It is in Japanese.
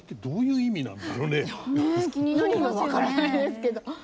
意味も分からないですけど。